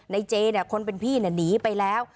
เจคนเป็นพี่หนีไปแล้ว